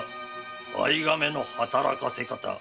藍がめの働かせ方